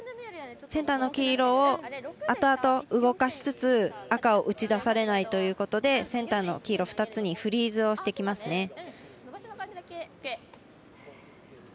センターの黄色を後々動かしつつ赤を打ち出されないということでセンターの黄色２つにフリーズしてきますね。